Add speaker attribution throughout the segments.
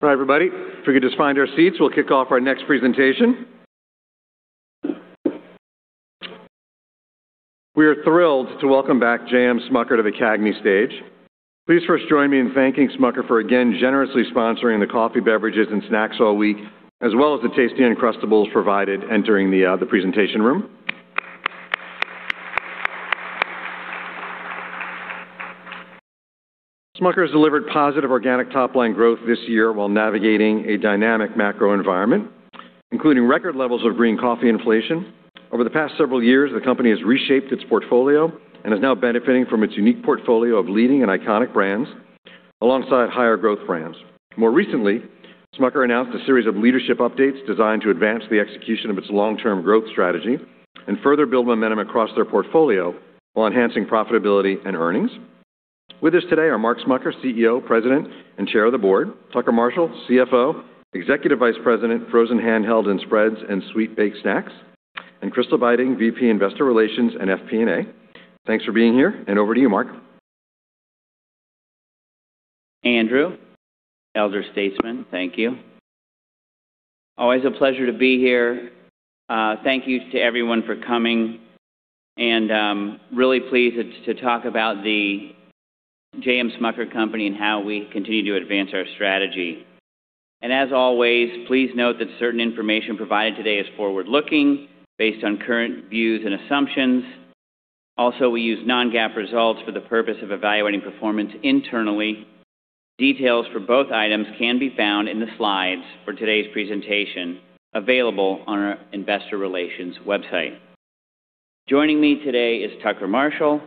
Speaker 1: Hi, everybody. If we could just find our seats, we'll kick off our next presentation. We are thrilled to welcome back J.M. Smucker to the CAGNY stage. Please first join me in thanking Smucker for again, generously sponsoring the coffee, beverages, and snacks all week, as well as the tasty Uncrustables provided entering the, the presentation room. Smucker has delivered positive organic top-line growth this year while navigating a dynamic macro environment, including record levels of green coffee inflation. Over the past several years, the company has reshaped its portfolio and is now benefiting from its unique portfolio of leading and iconic brands, alongside higher growth brands. More recently, Smucker announced a series of leadership updates designed to advance the execution of its long-term growth strategy and further build momentum across their portfolio, while enhancing profitability and earnings. With us today are Mark Smucker, CEO, President, and Chair of the Board, Tucker Marshall, CFO, Executive Vice President, Frozen Handheld and Spreads and Sweet Baked Snacks, and Crystal Beiting, VP, Investor Relations and FP&A. Thanks for being here, and over to you, Mark.
Speaker 2: Andrew, elder statesman, thank you. Always a pleasure to be here. Thank you to everyone for coming, and, really pleased to, to talk about The J.M. Smucker Co. and how we continue to advance our strategy. As always, please note that certain information provided today is forward-looking, based on current views and assumptions. Also, we use non-GAAP results for the purpose of evaluating performance internally. Details for both items can be found in the slides for today's presentation, available on our investor relations website. Joining me today is Tucker Marshall,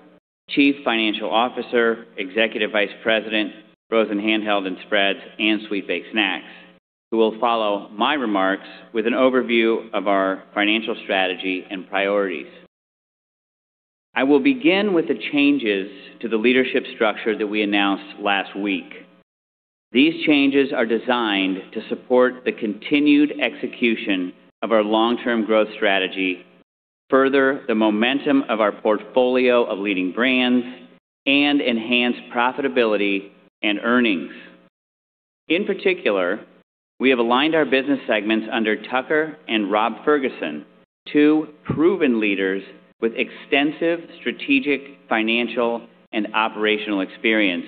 Speaker 2: Chief Financial Officer, Executive Vice President, Frozen Handheld and Spreads and Sweet Baked Snacks, who will follow my remarks with an overview of our financial strategy and priorities. I will begin with the changes to the leadership structure that we announced last week. These changes are designed to support the continued execution of our long-term growth strategy, further the momentum of our portfolio of leading brands, and enhance profitability and earnings. In particular, we have aligned our business segments under Tucker and Rob Ferguson, two proven leaders with extensive strategic, financial, and operational experience,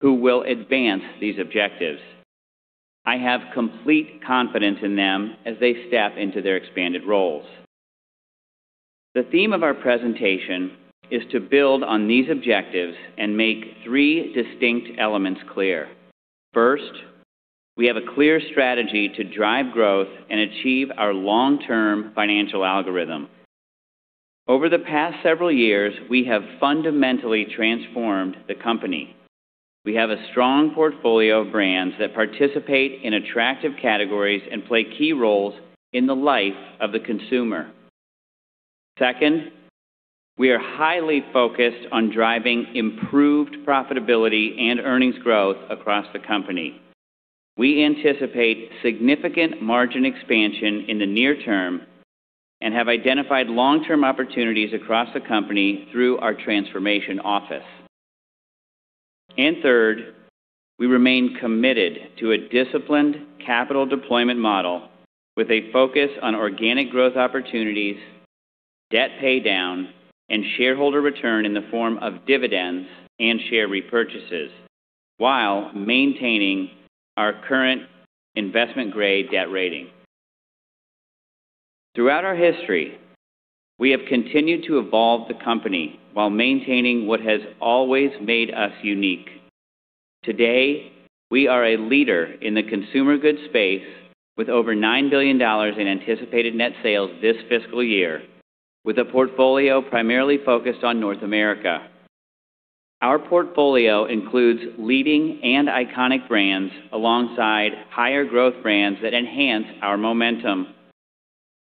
Speaker 2: who will advance these objectives. I have complete confidence in them as they step into their expanded roles. The theme of our presentation is to build on these objectives and make three distinct elements clear. First, we have a clear strategy to drive growth and achieve our long-term financial algorithm. Over the past several years, we have fundamentally transformed the company. We have a strong portfolio of brands that participate in attractive categories and play key roles in the life of the consumer. Second, we are highly focused on driving improved profitability and earnings growth across the company. We anticipate significant margin expansion in the near term and have identified long-term opportunities across the company through our transformation office. And third, we remain committed to a disciplined capital deployment model with a focus on organic growth opportunities, debt paydown, and shareholder return in the form of dividends and share repurchases, while maintaining our current investment-grade debt rating. Throughout our history, we have continued to evolve the company while maintaining what has always made us unique. Today, we are a leader in the consumer goods space with over $9 billion in anticipated net sales this fiscal year, with a portfolio primarily focused on North America. Our portfolio includes leading and iconic brands alongside higher growth brands that enhance our momentum,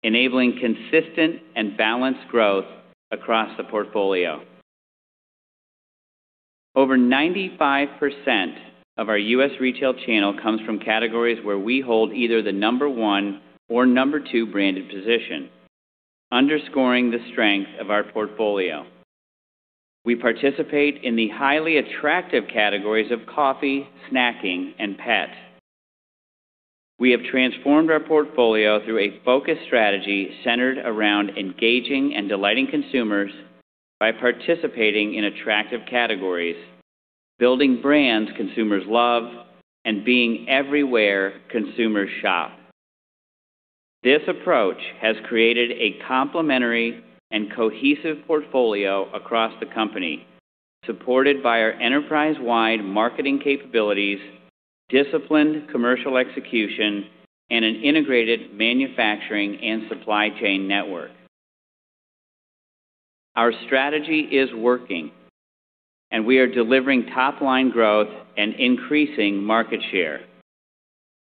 Speaker 2: enabling consistent and balanced growth across the portfolio. Over 95% of our U.S. retail channel comes from categories where we hold either the number 1 or number 2 branded position, underscoring the strength of our portfolio. We participate in the highly attractive categories of coffee, snacking, and pet. We have transformed our portfolio through a focused strategy centered around engaging and delighting consumers by participating in attractive categories, building brands consumers love, and being everywhere consumers shop. This approach has created a complementary and cohesive portfolio across the company, supported by our enterprise-wide marketing capabilities, disciplined commercial execution, and an integrated manufacturing and supply chain network. Our strategy is working, and we are delivering top-line growth and increasing market share.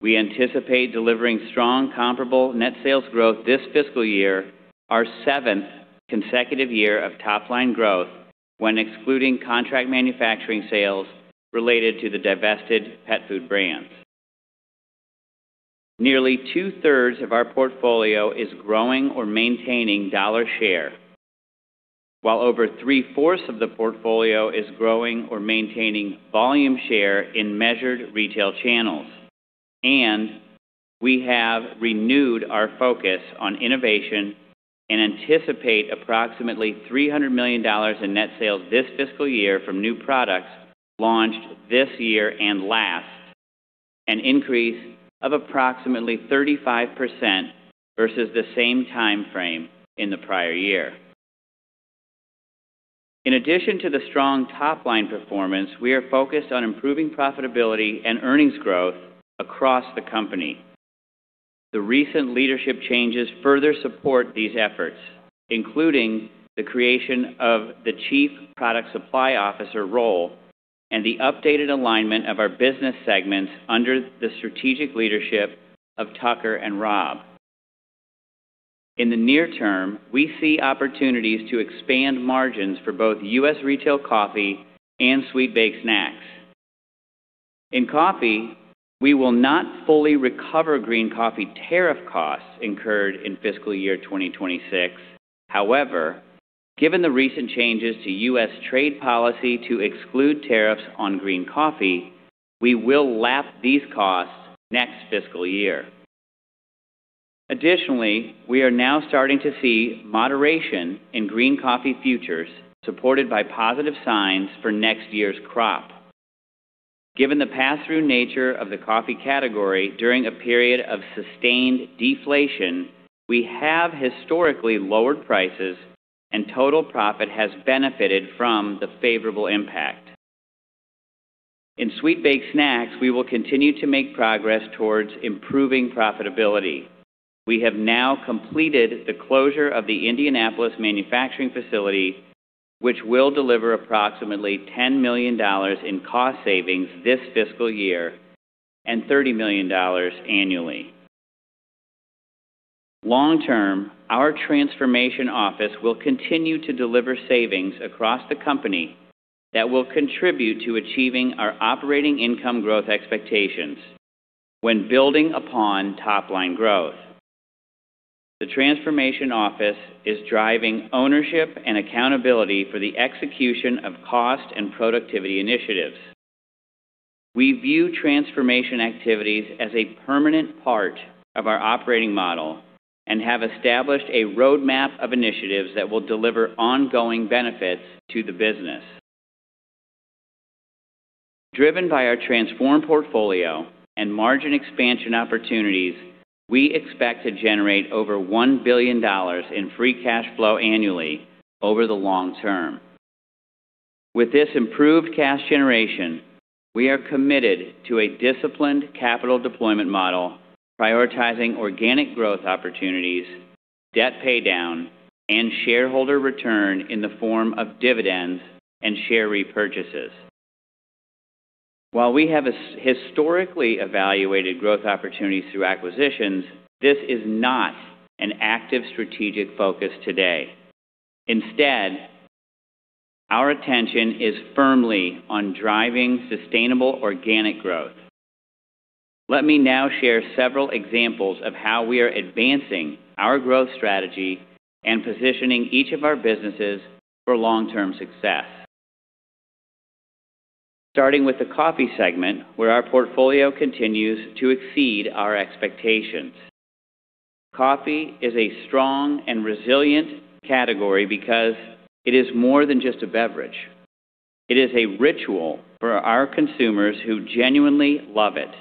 Speaker 2: We anticipate delivering strong, comparable net sales growth this fiscal year, our 7th consecutive year of top-line growth, when excluding contract manufacturing sales related to the divested pet food brands. Nearly two-thirds of our portfolio is growing or maintaining dollar share. While over three-fourths of the portfolio is growing or maintaining volume share in measured retail channels, and we have renewed our focus on innovation and anticipate approximately $300 million in net sales this fiscal year from new products launched this year and last, an increase of approximately 35% versus the same time frame in the prior year. In addition to the strong top-line performance, we are focused on improving profitability and earnings growth across the company. The recent leadership changes further support these efforts, including the creation of the Chief Product Supply Officer role and the updated alignment of our business segments under the strategic leadership of Tucker and Rob. In the near term, we see opportunities to expand margins for both U.S. retail coffee and sweet baked snacks. In coffee, we will not fully recover green coffee tariff costs incurred in fiscal year 2026. However, given the recent changes to U.S. trade policy to exclude tariffs on green coffee, we will lap these costs next fiscal year. Additionally, we are now starting to see moderation in green coffee futures, supported by positive signs for next year's crop. Given the pass-through nature of the coffee category during a period of sustained deflation, we have historically lowered prices, and total profit has benefited from the favorable impact. In sweet baked snacks, we will continue to make progress towards improving profitability. We have now completed the closure of the Indianapolis manufacturing facility, which will deliver approximately $10 million in cost savings this fiscal year and $30 million annually. Long term, our transformation office will continue to deliver savings across the company that will contribute to achieving our operating income growth expectations when building upon top-line growth. The transformation office is driving ownership and accountability for the execution of cost and productivity initiatives. We view transformation activities as a permanent part of our operating model and have established a roadmap of initiatives that will deliver ongoing benefits to the business. Driven by our transformed portfolio and margin expansion opportunities, we expect to generate over $1 billion in free cash flow annually over the long term. With this improved cash generation, we are committed to a disciplined capital deployment model, prioritizing organic growth opportunities, debt paydown, and shareholder return in the form of dividends and share repurchases. While we have historically evaluated growth opportunities through acquisitions, this is not an active strategic focus today. Instead, our attention is firmly on driving sustainable organic growth. Let me now share several examples of how we are advancing our growth strategy and positioning each of our businesses for long-term success. Starting with the coffee segment, where our portfolio continues to exceed our expectations. Coffee is a strong and resilient category because it is more than just a beverage. It is a ritual for our consumers who genuinely love it.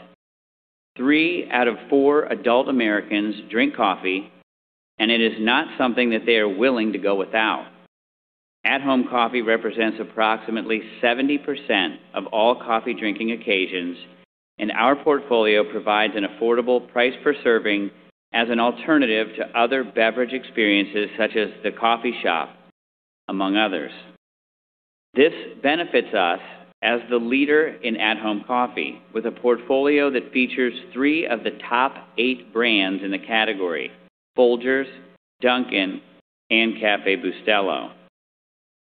Speaker 2: Three out of four adult Americans drink coffee, and it is not something that they are willing to go without. At-home coffee represents approximately 70% of all coffee-drinking occasions, and our portfolio provides an affordable price per serving as an alternative to other beverage experiences, such as the coffee shop, among others. This benefits us as the leader in at-home coffee, with a portfolio that features three of the top eight brands in the category: Folgers, Dunkin', and Café Bustelo.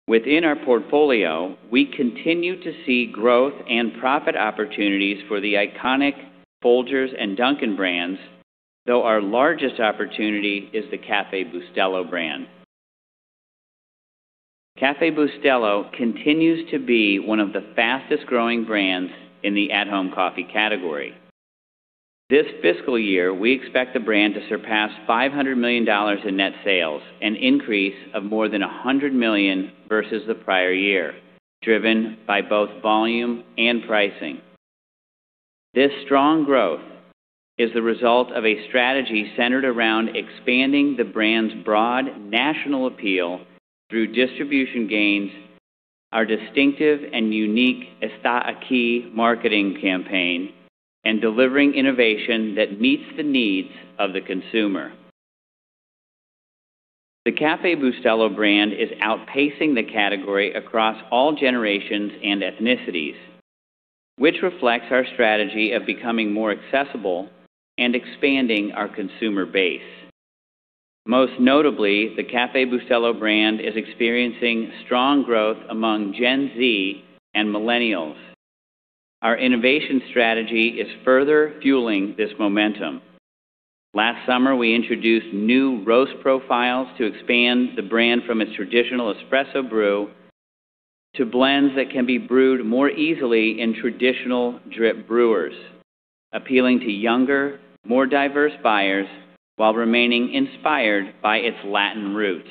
Speaker 2: Within our portfolio, we continue to see growth and profit opportunities for the iconic Folgers and Dunkin' brands, though our largest opportunity is the Café Bustelo brand. Café Bustelo continues to be one of the fastest-growing brands in the at-home coffee category. This fiscal year, we expect the brand to surpass $500 million in net sales, an increase of more than $100 million versus the prior year, driven by both volume and pricing. This strong growth is the result of a strategy centered around expanding the brand's broad national appeal through distribution gains, our distinctive and unique Está Aquí marketing campaign, and delivering innovation that meets the needs of the consumer. The Café Bustelo brand is outpacing the category across all generations and ethnicities, which reflects our strategy of becoming more accessible and expanding our consumer base. Most notably, the Café Bustelo brand is experiencing strong growth among Gen Z and Millennials.... Our innovation strategy is further fueling this momentum. Last summer, we introduced new roast profiles to expand the brand from its traditional espresso brew to blends that can be brewed more easily in traditional drip brewers, appealing to younger, more diverse buyers while remaining inspired by its Latin roots.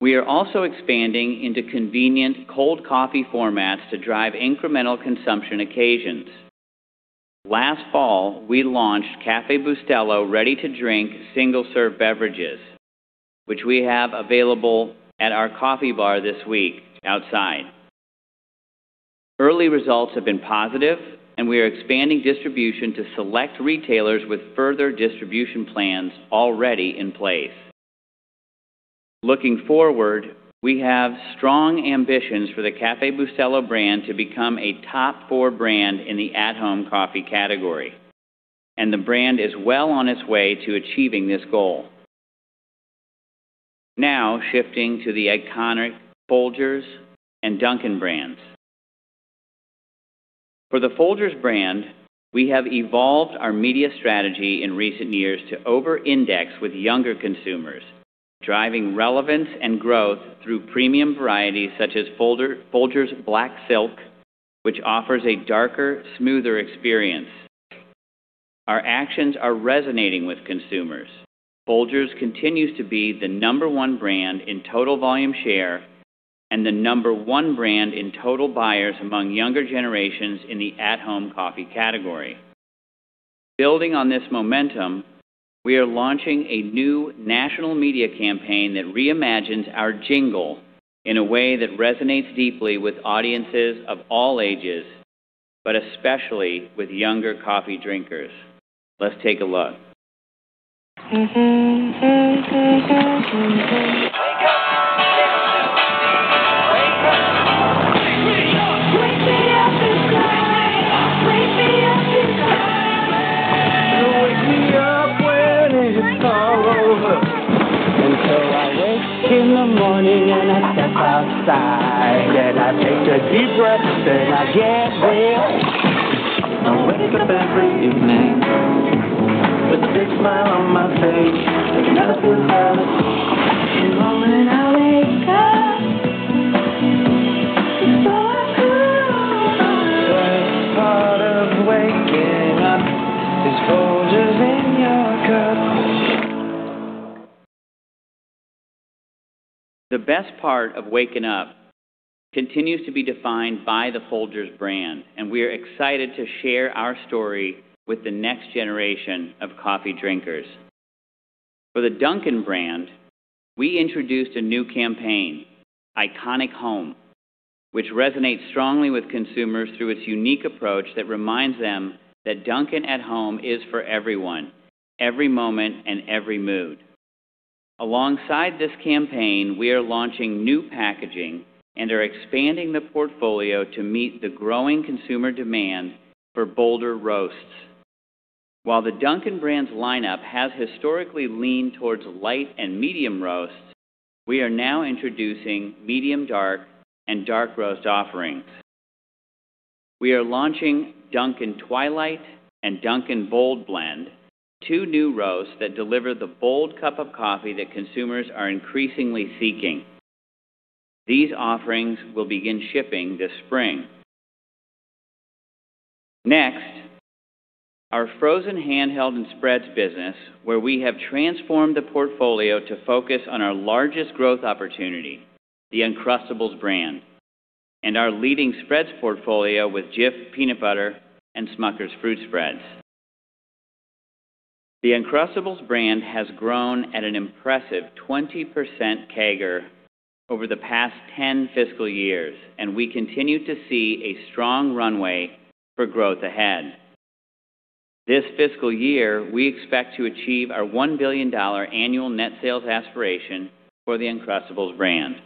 Speaker 2: We are also expanding into convenient cold coffee formats to drive incremental consumption occasions. Last fall, we launched Café Bustelo ready-to-drink single-serve beverages, which we have available at our coffee bar this week outside. Early results have been positive, and we are expanding distribution to select retailers with further distribution plans already in place. Looking forward, we have strong ambitions for the Café Bustelo brand to become a top four brand in the at-home coffee category, and the brand is well on its way to achieving this goal. Now shifting to the iconic Folgers and Dunkin' brands. For the Folgers brand, we have evolved our media strategy in recent years to over-index with younger consumers, driving relevance and growth through premium varieties such as Folgers Black Silk, which offers a darker, smoother experience. Our actions are resonating with consumers. Folgers continues to be the number one brand in total volume share and the number one brand in total buyers among younger generations in the at-home coffee category. Building on this momentum, we are launching a new national media campaign that reimagines our jingle in a way that resonates deeply with audiences of all ages, but especially with younger coffee drinkers. Let's take a look.
Speaker 3: Wake up! Wake up. Wake me up. Wake me up inside. Wake me up. Wake me up inside. Wake me up when it's all over. Until I wake in the morning and I step outside. Then I take a deep breath and I get real. I wake up every morning with a big smile on my face. Another good heart. The moment I wake up, is what I call the best part of waking up is Folgers in your cup.
Speaker 2: The best part of waking up continues to be defined by the Folgers brand, and we are excited to share our story with the next generation of coffee drinkers. For the Dunkin' brand, we introduced a new campaign, Iconic Home, which resonates strongly with consumers through its unique approach that reminds them that Dunkin' at Home is for everyone, every moment, and every mood. Alongside this campaign, we are launching new packaging and are expanding the portfolio to meet the growing consumer demand for bolder roasts. While the Dunkin' brand's lineup has historically leaned towards light and medium roasts, we are now introducing medium dark and dark roast offerings. We are launching Dunkin' Twilight and Dunkin' Bold Blend, two new roasts that deliver the bold cup of coffee that consumers are increasingly seeking. These offerings will begin shipping this spring. Next, our frozen handheld and spreads business, where we have transformed the portfolio to focus on our largest growth opportunity, the Uncrustables brand, and our leading spreads portfolio with Jif Peanut Butter and Smucker's Fruit Spreads. The Uncrustables brand has grown at an impressive 20% CAGR over the past 10 fiscal years, and we continue to see a strong runway for growth ahead. This fiscal year, we expect to achieve our $1 billion annual net sales aspiration for the Uncrustables brand.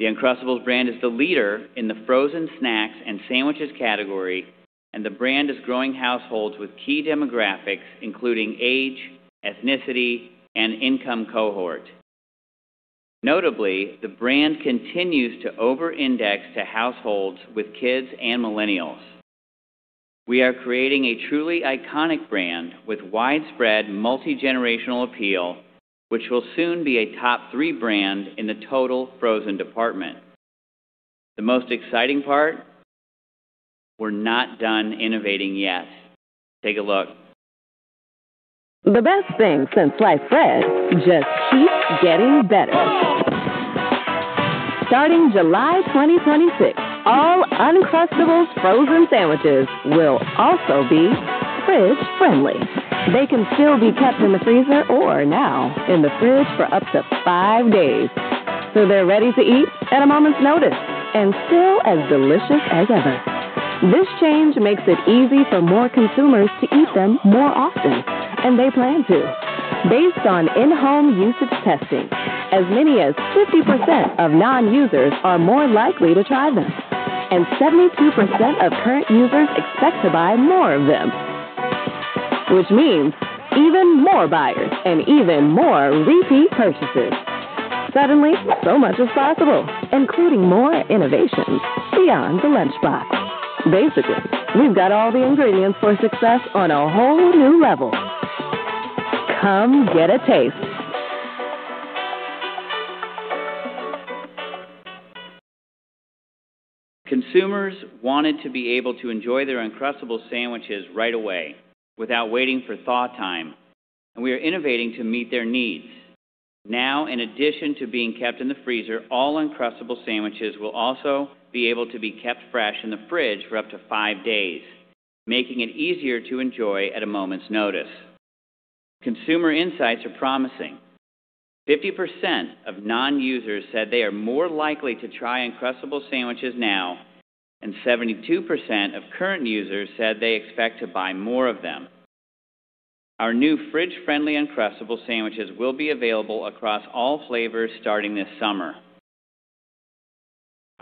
Speaker 2: The Uncrustables brand is the leader in the frozen snacks and sandwiches category, and the brand is growing households with key demographics, including age, ethnicity, and income cohort. Notably, the brand continues to over-index to households with kids and Millennials. We are creating a truly iconic brand with widespread multi-generational appeal, which will soon be a top three brand in the total frozen department. The most exciting part? We're not done innovating yet. Take a look.
Speaker 4: The best thing since sliced bread just keeps getting better. Starting July 2026, all Uncrustables frozen sandwiches will also be fridge friendly. They can still be kept in the freezer or now in the fridge for up to 5 days, so they're ready to eat at a moment's notice and still as delicious as ever. This change makes it easy for more consumers to eat them more often, and they plan to. Based on in-home usage testing, as many as 50% of non-users are more likely to try them, and 72% of current users expect to buy more of them.... Which means even more buyers and even more repeat purchases. Suddenly, so much is possible, including more innovations beyond the lunchbox. Basically, we've got all the ingredients for success on a whole new level. Come get a taste!
Speaker 2: Consumers wanted to be able to enjoy their Uncrustables sandwiches right away without waiting for thaw time, and we are innovating to meet their needs. Now, in addition to being kept in the freezer, all Uncrustables sandwiches will also be able to be kept fresh in the fridge for up to five days, making it easier to enjoy at a moment's notice. Consumer insights are promising. 50% of non-users said they are more likely to try Uncrustables sandwiches now, and 72% of current users said they expect to buy more of them. Our new fridge-friendly Uncrustables sandwiches will be available across all flavors starting this summer.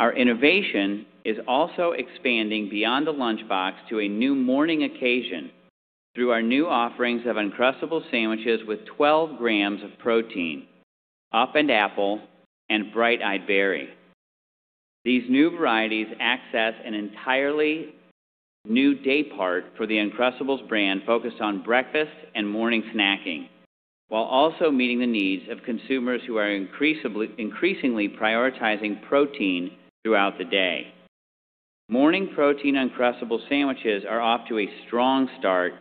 Speaker 2: Our innovation is also expanding beyond the lunchbox to a new morning occasion through our new offerings of Uncrustables sandwiches with 12 grams of protein, Up & Apple and Bright Eyed Berry. These new varieties access an entirely new day part for the Uncrustables brand, focused on breakfast and morning snacking, while also meeting the needs of consumers who are increasingly prioritizing protein throughout the day. Morning protein Uncrustables sandwiches are off to a strong start.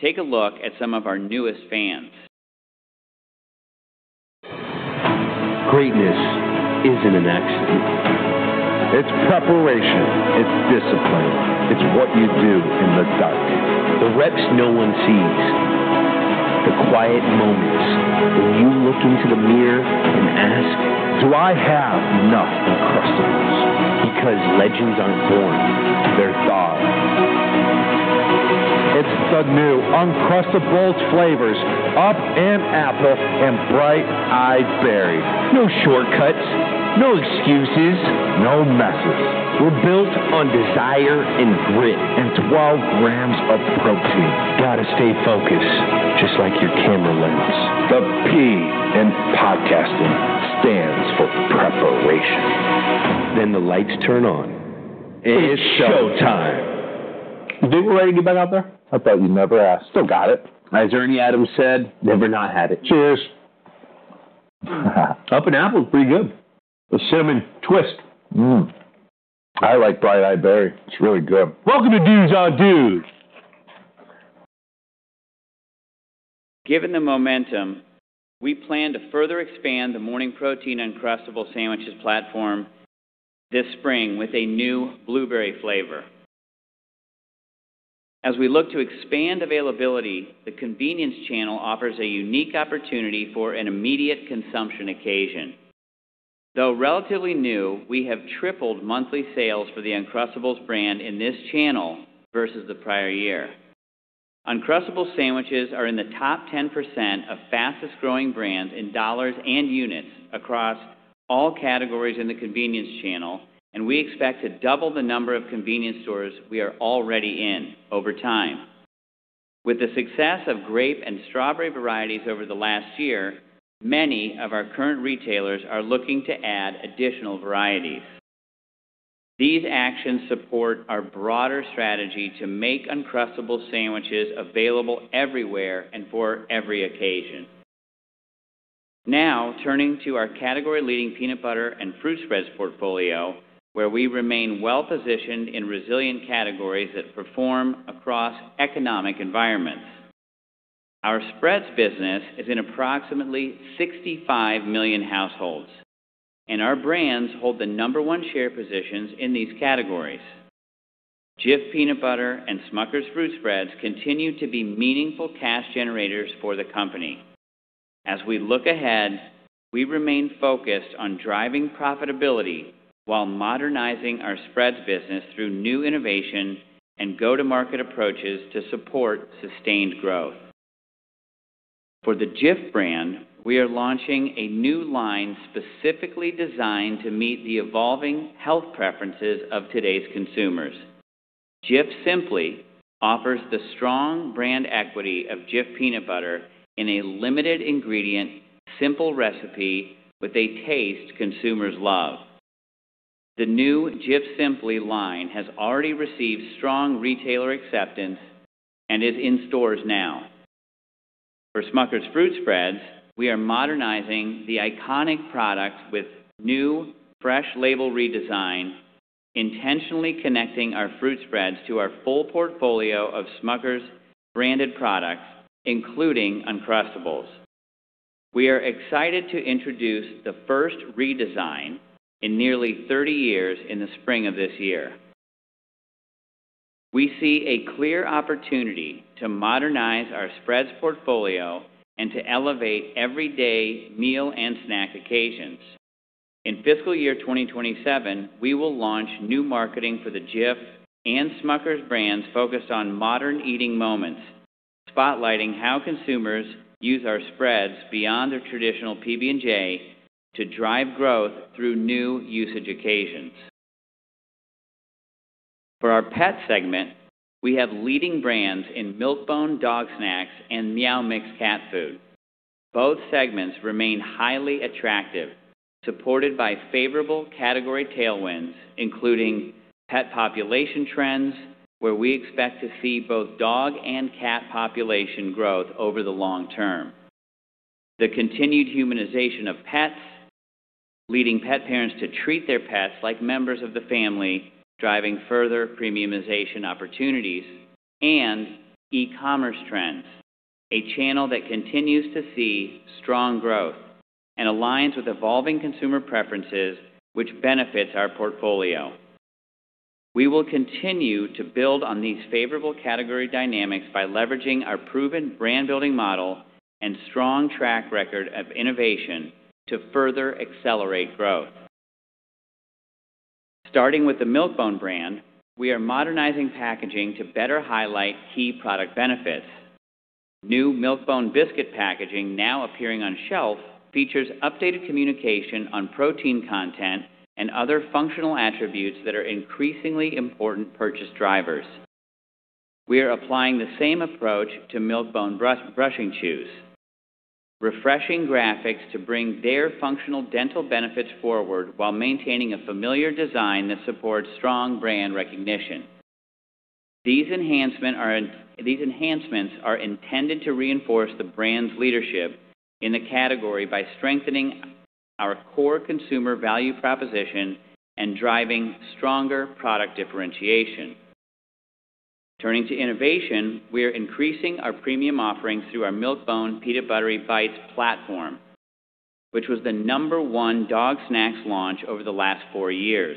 Speaker 2: Take a look at some of our newest fans.
Speaker 5: Greatness isn't an accident. It's preparation. It's discipline. It's what you do in the dark, the reps no one sees, the quiet moments when you look into the mirror and ask, "Do I have enough Uncrustables?" Because legends aren't born, they're thawed. It's the new Uncrustables flavors, Up & Apple and Bright Eyed Berry. No shortcuts, no excuses, no messes. We're built on desire and grit and 12 grams of protein. Gotta stay focused, just like your camera lens. The P in podcasting stands for preparation. Then the lights turn on, and it's showtime! You think we're ready to get back out there? I thought you'd never ask. Still got it. As Ernie Adams said, "Never not had it. Cheers. Up & Apple is pretty good. A cinnamon twist. Mm, I like Bright Eyed Berry. It's really good. Welcome to Dudes on Dudes!
Speaker 2: Given the momentum, we plan to further expand the morning protein Uncrustables sandwiches platform this spring with a new blueberry flavor. As we look to expand availability, the convenience channel offers a unique opportunity for an immediate consumption occasion. Though relatively new, we have tripled monthly sales for the Uncrustables brand in this channel versus the prior year. Uncrustables sandwiches are in the top 10% of fastest-growing brands in dollars and units across all categories in the convenience channel, and we expect to double the number of convenience stores we are already in over time. With the success of grape and strawberry varieties over the last year, many of our current retailers are looking to add additional varieties. These actions support our broader strategy to make Uncrustables sandwiches available everywhere and for every occasion. Now, turning to our category-leading peanut butter and fruit spreads portfolio, where we remain well-positioned in resilient categories that perform across economic environments. Our spreads business is in approximately 65 million households, and our brands hold the number one share positions in these categories. Jif Peanut Butter and Smucker's Fruit Spreads continue to be meaningful cash generators for the company. As we look ahead, we remain focused on driving profitability while modernizing our spreads business through new innovation and go-to-market approaches to support sustained growth. For the Jif brand, we are launching a new line specifically designed to meet the evolving health preferences of today's consumers. Jif Simply offers the strong brand equity of Jif Peanut Butter in a limited ingredient, simple recipe with a taste consumers love. The new Jif Simply line has already received strong retailer acceptance and is in stores now. For Smucker's Fruit Spreads, we are modernizing the iconic product with new, fresh label redesign, intentionally connecting our fruit spreads to our full portfolio of Smucker's branded products, including Uncrustables. We are excited to introduce the first redesign in nearly 30 years in the spring of this year. We see a clear opportunity to modernize our spreads portfolio and to elevate everyday meal and snack occasions. In fiscal year 2027, we will launch new marketing for the Jif and Smucker's brands focused on modern eating moments, spotlighting how consumers use our spreads beyond the traditional PB&J to drive growth through new usage occasions. For our pet segment, we have leading brands in Milk-Bone dog snacks and Meow Mix cat food. Both segments remain highly attractive, supported by favorable category tailwinds, including pet population trends, where we expect to see both dog and cat population growth over the long term. The continued humanization of pets, leading pet parents to treat their pets like members of the family, driving further premiumization opportunities and e-commerce trends, a channel that continues to see strong growth and aligns with evolving consumer preferences, which benefits our portfolio. We will continue to build on these favorable category dynamics by leveraging our proven brand-building model and strong track record of innovation to further accelerate growth. Starting with the Milk-Bone brand, we are modernizing packaging to better highlight key product benefits. New Milk-Bone biscuit packaging, now appearing on shelf, features updated communication on protein content and other functional attributes that are increasingly important purchase drivers. We are applying the same approach to Milk-Bone Brushing Chews, refreshing graphics to bring their functional dental benefits forward while maintaining a familiar design that supports strong brand recognition. These enhancements are intended to reinforce the brand's leadership in the category by strengthening our core consumer value proposition and driving stronger product differentiation. Turning to innovation, we are increasing our premium offerings through our Milk-Bone Peanut Buttery Bites platform, which was the number one dog snacks launch over the last four years.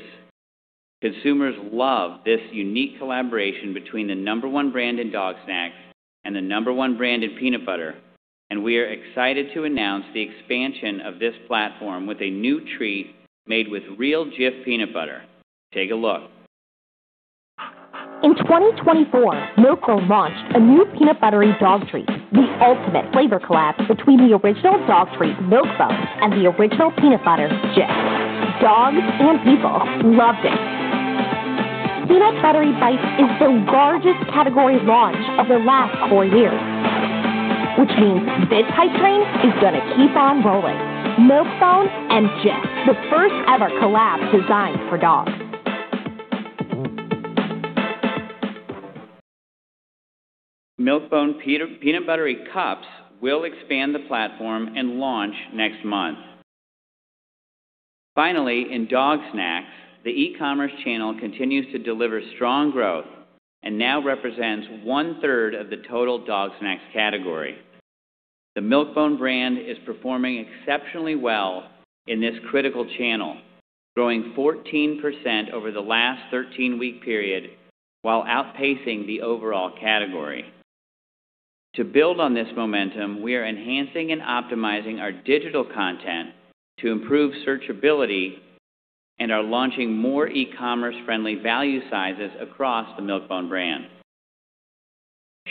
Speaker 2: Consumers love this unique collaboration between the number one brand in dog snacks and the number one brand in peanut butter, and we are excited to announce the expansion of this platform with a new treat made with real Jif peanut butter. Take a look.
Speaker 6: In 2024, Milk-Bone launched a new Peanut Buttery dog treat, the ultimate flavor collab between the original dog treat, Milk-Bone, and the original peanut butter, Jif. Dogs and people loved it. Peanut Buttery Bites is the largest category launch of the last four years, which means this hype train is gonna keep on rolling. Milk-Bone and Jif, the first-ever collab designed for dogs.
Speaker 2: Milk-Bone Peanut Buttery Cups will expand the platform and launch next month. Finally, in dog snacks, the e-commerce channel continues to deliver strong growth and now represents one-third of the total dog snacks category. The Milk-Bone brand is performing exceptionally well in this critical channel, growing 14% over the last 13-week period, while outpacing the overall category. To build on this momentum, we are enhancing and optimizing our digital content to improve searchability and are launching more e-commerce-friendly value sizes across the Milk-Bone brand.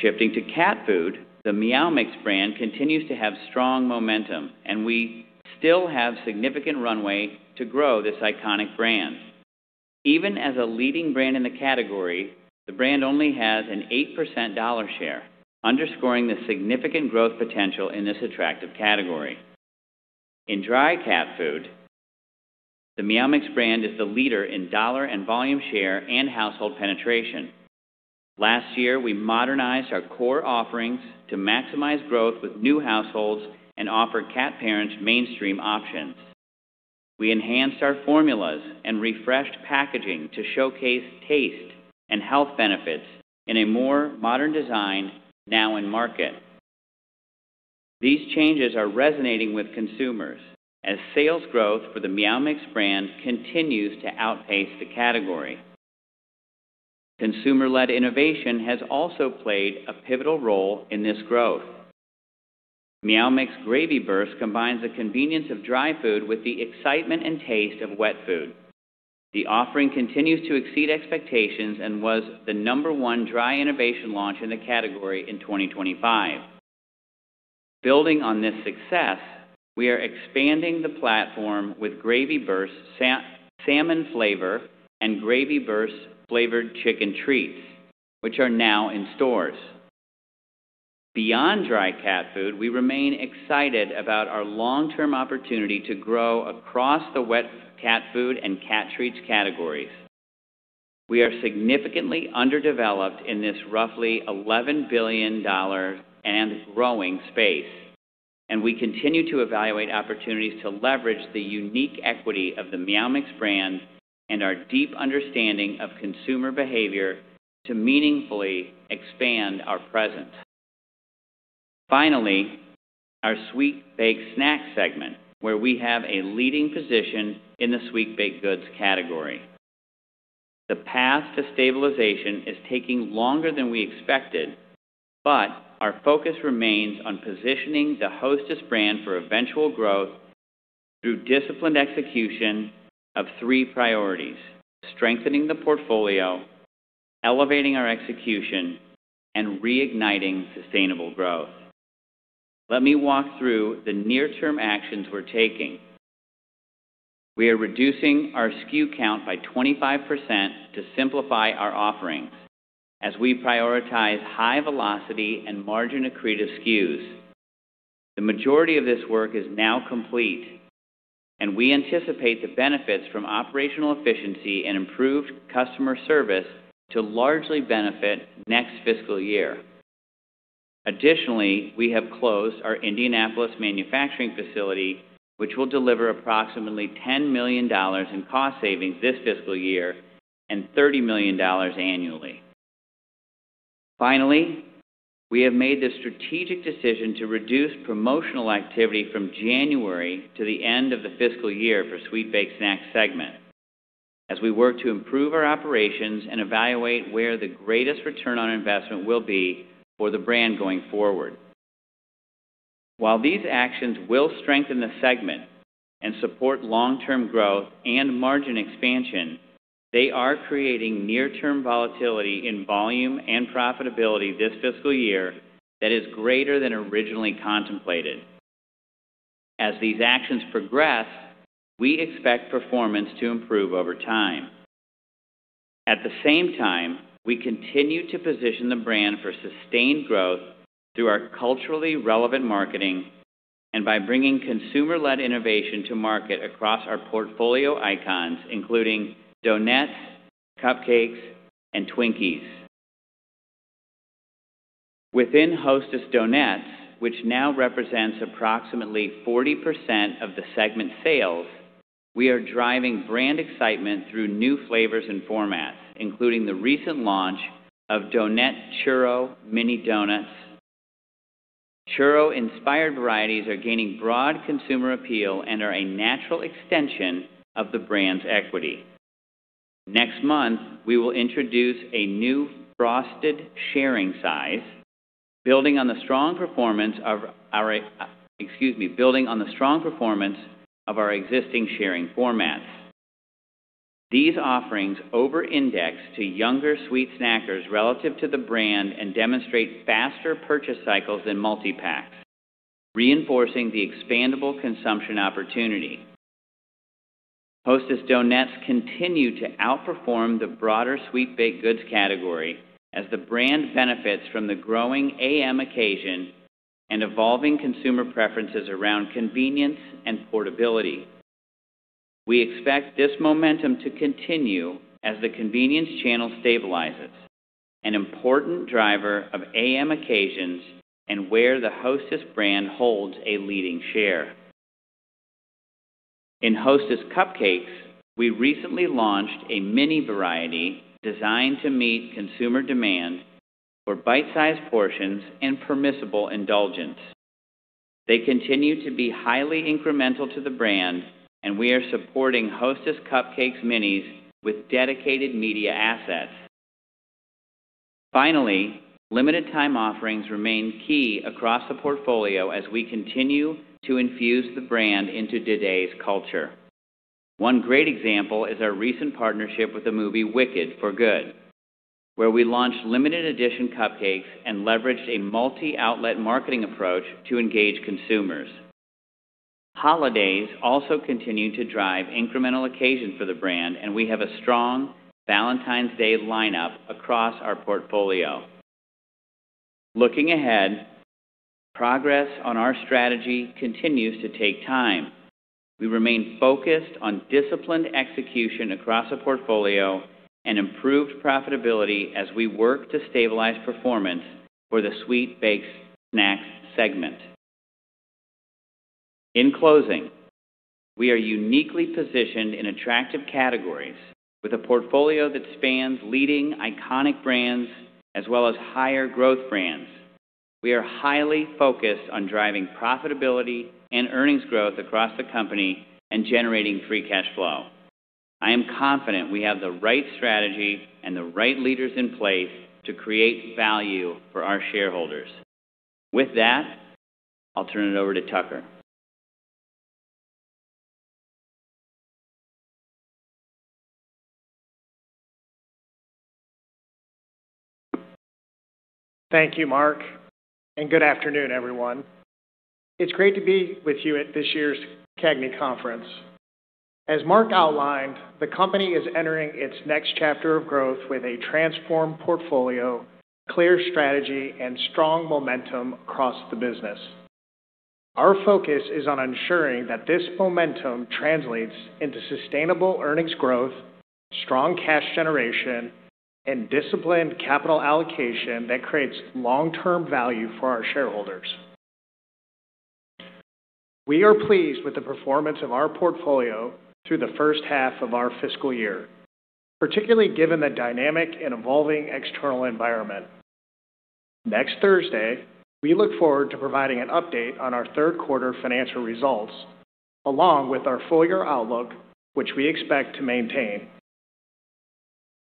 Speaker 2: Shifting to cat food, the Meow Mix brand continues to have strong momentum, and we still have significant runway to grow this iconic brand. Even as a leading brand in the category, the brand only has an 8% dollar share, underscoring the significant growth potential in this attractive category. In dry cat food, the Meow Mix brand is the leader in dollar and volume share and household penetration. Last year, we modernized our core offerings to maximize growth with new households and offer cat parents mainstream options. We enhanced our formulas and refreshed packaging to showcase taste and health benefits in a more modern design now in market. These changes are resonating with consumers as sales growth for the Meow Mix brand continues to outpace the category. Consumer-led innovation has also played a pivotal role in this growth. Meow Mix Gravy Bursts combines the convenience of dry food with the excitement and taste of wet food. The offering continues to exceed expectations and was the number one dry innovation launch in the category in 2025. Building on this success, we are expanding the platform with Gravy Bursts Salmon flavor and Gravy Bursts flavored chicken treats, which are now in stores. Beyond dry cat food, we remain excited about our long-term opportunity to grow across the wet cat food and cat treats categories. We are significantly underdeveloped in this roughly $11 billion and growing space, and we continue to evaluate opportunities to leverage the unique equity of the Meow Mix brand and our deep understanding of consumer behavior to meaningfully expand our presence. Finally, our Sweet Baked Snack segment, where we have a leading position in the sweet baked goods category. The path to stabilization is taking longer than we expected, but our focus remains on positioning the Hostess brand for eventual growth through disciplined execution of three priorities: strengthening the portfolio, elevating our execution, and reigniting sustainable growth. Let me walk through the near-term actions we're taking. We are reducing our SKU count by 25% to simplify our offerings as we prioritize high velocity and margin accretive SKUs. The majority of this work is now complete, and we anticipate the benefits from operational efficiency and improved customer service to largely benefit next fiscal year. Additionally, we have closed our Indianapolis manufacturing facility, which will deliver approximately $10 million in cost savings this fiscal year and $30 million annually. Finally, we have made the strategic decision to reduce promotional activity from January to the end of the fiscal year for Sweet Baked Snack segment. As we work to improve our operations and evaluate where the greatest return on investment will be for the brand going forward. While these actions will strengthen the segment and support long-term growth and margin expansion, they are creating near-term volatility in volume and profitability this fiscal year that is greater than originally contemplated. As these actions progress, we expect performance to improve over time. At the same time, we continue to position the brand for sustained growth through our culturally relevant marketing and by bringing consumer-led innovation to market across our portfolio icons, including Donuts, Cupcakes, and Twinkies. Within Hostess Donuts, which now represents approximately 40% of the segment sales, we are driving brand excitement through new flavors and formats, including the recent launch of Donettes Churro Mini Donuts. Churro-inspired varieties are gaining broad consumer appeal and are a natural extension of the brand's equity. Next month, we will introduce a new frosted sharing size, building on the strong performance of our existing sharing formats. These offerings over-index to younger sweet snackers relative to the brand and demonstrate faster purchase cycles than multipacks, reinforcing the expandable consumption opportunity. Hostess Donuts continue to outperform the broader sweet baked goods category as the brand benefits from the growing AM occasion and evolving consumer preferences around convenience and portability. We expect this momentum to continue as the convenience channel stabilizes, an important driver of AM occasions and where the Hostess brand holds a leading share. In Hostess Cupcakes, we recently launched a mini variety designed to meet consumer demand for bite-sized portions and permissible indulgence. They continue to be highly incremental to the brand, and we are supporting Hostess Cupcakes Minis with dedicated media assets. Finally, limited time offerings remain key across the portfolio as we continue to infuse the brand into today's culture. One great example is our recent partnership with the movie Wicked for Good, where we launched limited edition cupcakes and leveraged a multi-outlet marketing approach to engage consumers. Holidays also continue to drive incremental occasions for the brand, and we have a strong Valentine's Day lineup across our portfolio. Looking ahead, progress on our strategy continues to take time. We remain focused on disciplined execution across the portfolio and improved profitability as we work to stabilize performance for the Sweet Baked Snacks segment. In closing, we are uniquely positioned in attractive categories with a portfolio that spans leading iconic brands as well as higher growth brands. We are highly focused on driving profitability and earnings growth across the company and generating free cash flow. I am confident we have the right strategy and the right leaders in place to create value for our shareholders. With that, I'll turn it over to Tucker.
Speaker 7: Thank you, Mark, and good afternoon, everyone. It's great to be with you at this year's CAGNY conference. As Mark outlined, the company is entering its next chapter of growth with a transformed portfolio, clear strategy, and strong momentum across the business. Our focus is on ensuring that this momentum translates into sustainable earnings growth, strong cash generation, and disciplined capital allocation that creates long-term value for our shareholders. We are pleased with the performance of our portfolio through the first half of our fiscal year, particularly given the dynamic and evolving external environment. Next Thursday, we look forward to providing an update on our Q3 financial results, along with our full-year outlook, which we expect to maintain.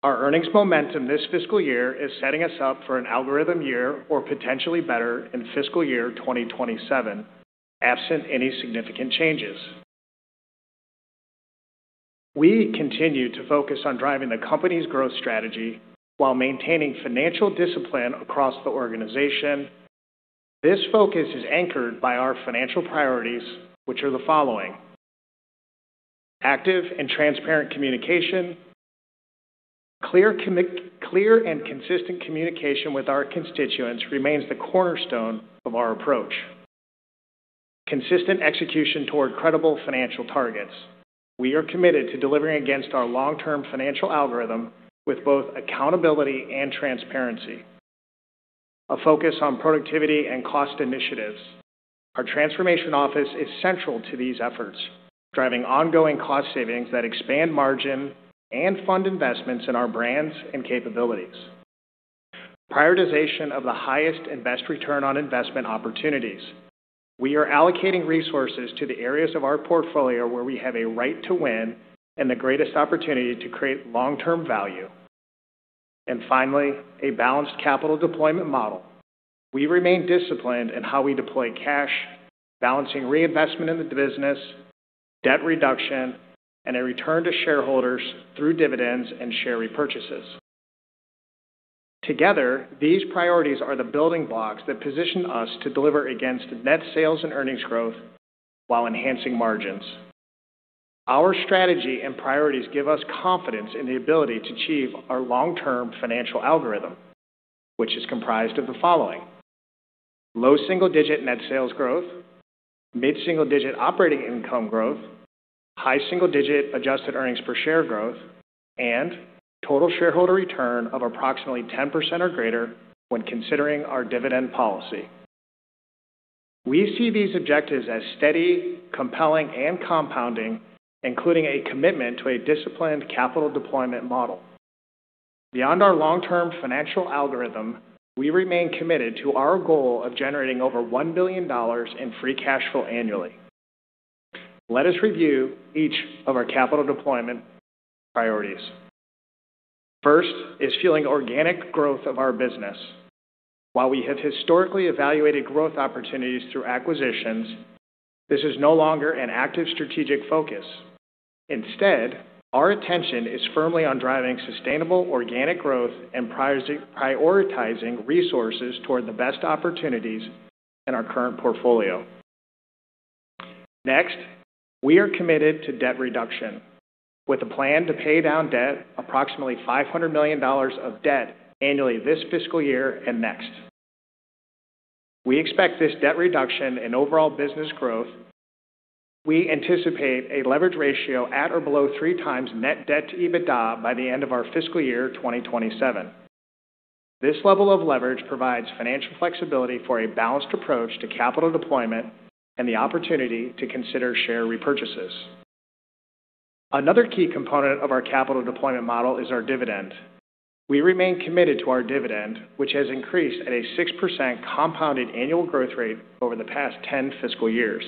Speaker 7: Our earnings momentum this fiscal year is setting us up for an algorithm year or potentially better in fiscal year 2027, absent any significant changes. We continue to focus on driving the company's growth strategy while maintaining financial discipline across the organization. This focus is anchored by our financial priorities, which are the following: Active and transparent communication. Clear and consistent communication with our constituents remains the cornerstone of our approach. Consistent execution toward credible financial targets. We are committed to delivering against our long-term financial algorithm with both accountability and transparency. A focus on productivity and cost initiatives. Our transformation office is central to these efforts, driving ongoing cost savings that expand margin and fund investments in our brands and capabilities. Prioritization of the highest and best return on investment opportunities. We are allocating resources to the areas of our portfolio where we have a right to win and the greatest opportunity to create long-term value. And finally, a balanced capital deployment model. We remain disciplined in how we deploy cash, balancing reinvestment in the business, debt reduction, and a return to shareholders through dividends and share repurchases. Together, these priorities are the building blocks that position us to deliver against net sales and earnings growth while enhancing margins. Our strategy and priorities give us confidence in the ability to achieve our long-term financial algorithm, which is comprised of the following: low single-digit net sales growth, mid-single-digit operating income growth, high single-digit adjusted earnings per share growth, and total shareholder return of approximately 10% or greater when considering our dividend policy. We see these objectives as steady, compelling, and compounding, including a commitment to a disciplined capital deployment model. Beyond our long-term financial algorithm, we remain committed to our goal of generating over $1 billion in free cash flow annually. Let us review each of our capital deployment priorities. First is fueling organic growth of our business. While we have historically evaluated growth opportunities through acquisitions, this is no longer an active strategic focus. Instead, our attention is firmly on driving sustainable organic growth and prioritizing resources toward the best opportunities in our current portfolio. Next, we are committed to debt reduction with a plan to pay down approximately $500 million of debt annually this fiscal year and next. We expect this debt reduction and overall business growth. We anticipate a leverage ratio at or below 3x net debt to EBITDA by the end of our fiscal year 2027. This level of leverage provides financial flexibility for a balanced approach to capital deployment and the opportunity to consider share repurchases. Another key component of our capital deployment model is our dividend. We remain committed to our dividend, which has increased at a 6% compounded annual growth rate over the past 10 fiscal years.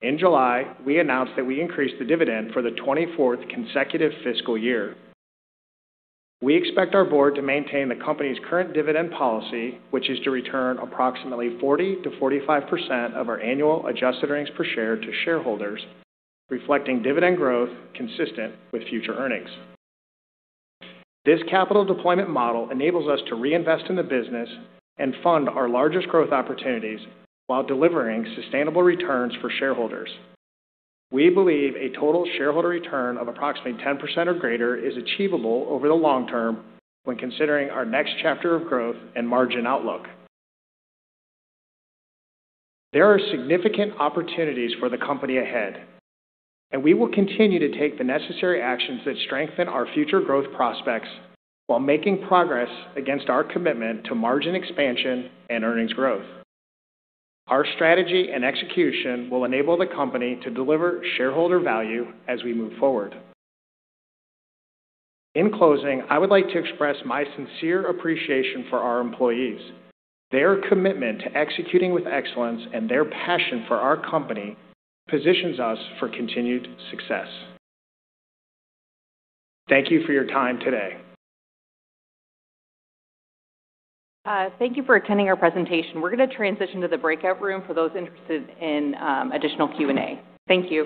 Speaker 7: In July, we announced that we increased the dividend for the 24th consecutive fiscal year. We expect our board to maintain the company's current dividend policy, which is to return approximately 40%-45% of our annual adjusted earnings per share to shareholders, reflecting dividend growth consistent with future earnings. This capital deployment model enables us to reinvest in the business and fund our largest growth opportunities while delivering sustainable returns for shareholders. We believe a Total Shareholder Return of approximately 10% or greater is achievable over the long term when considering our next chapter of growth and margin outlook. There are significant opportunities for the company ahead, and we will continue to take the necessary actions that strengthen our future growth prospects while making progress against our commitment to margin expansion and earnings growth. Our strategy and execution will enable the company to deliver shareholder value as we move forward. In closing, I would like to express my sincere appreciation for our employees. Their commitment to executing with excellence and their passion for our company positions us for continued success. Thank you for your time today.
Speaker 1: Thank you for attending our presentation. We're going to transition to the breakout room for those interested in additional Q&A. Thank you.